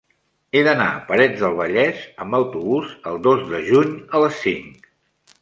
He d'anar a Parets del Vallès amb autobús el dos de juny a les cinc.